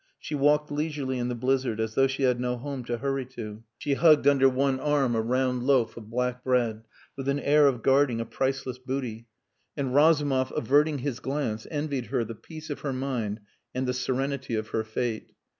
She walked leisurely in the blizzard as though she had no home to hurry to, she hugged under one arm a round loaf of black bread with an air of guarding a priceless booty: and Razumov averting his glance envied her the peace of her mind and the serenity of her fate.